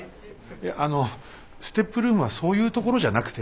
いやあのＳＴＥＰルームはそういうところじゃなくて。